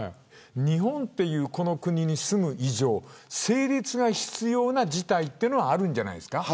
日本という、この国に住む以上整列は必要な事態というのはあるんじゃないですか。